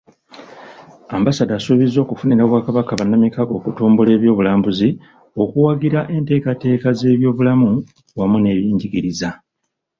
Ambasada asuubizza okufunira Obwakabaka bannamikago okutumbula ebyobulambuzi, okuwagira enteekateeka z'ebyobulamu wamu n'ebyenjigiriza.